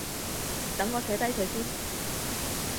等我寫低佢先